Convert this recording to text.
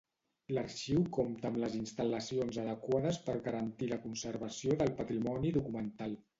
L'arxiu compta amb les instal·lacions adequades per garantir la conservació del patrimoni documental.